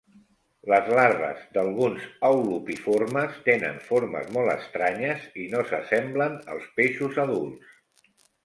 Les larves d'alguns aulopiformes tenen formes molt estranyes i no se semblen als peixos adults.